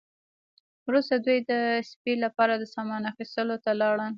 وروسته دوی د سپي لپاره د سامان اخیستلو ته لاړل